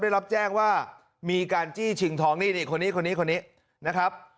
ได้รับแจ้งว่ามีการจี้ชิงทองนี่นี่คนนี้คนนี้คนนี้นะครับ